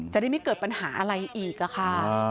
จะได้ไม่เกิดปัญหาอะไรอีกค่ะ